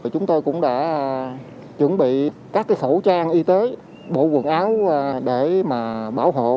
chúng tôi cũng đã chuẩn bị các cái khẩu trang y tế bộ quần áo để mà bảo hộ